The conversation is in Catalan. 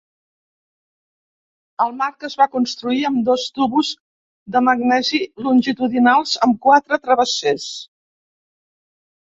El marc es va construir amb dos tubs de magnesi longitudinals amb quatre travessers.